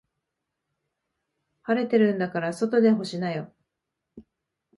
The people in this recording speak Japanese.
晴れてるんだから外で干しなよ。